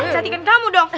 cantikin kamu dong